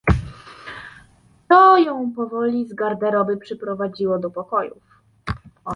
"To ją powoli z garderoby przeprowadziło do pokojów."